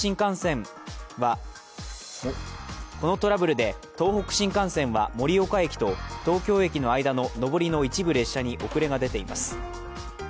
このトラブルで東北新幹線は盛岡駅と東京駅の間の上りの一部列車に遅れが出ています。